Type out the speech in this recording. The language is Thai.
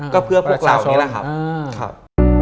ก็เพื่อพวกเรานี่แหละครับ